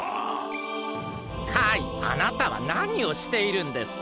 カイあなたはなにをしているんですか？